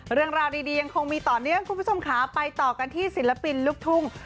เรื่องราวดียังคงมีต่อเนื่องคุณผู้ชมค่ะไปต่อกันที่ศิลปินลูกทุ่ง